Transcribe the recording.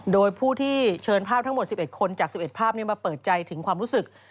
โดยผู้ที่เชิญภาพทั้งหมด๑๑คนจาก๑๑ภาพนี้มาเปิดใจถึงความรู้สึก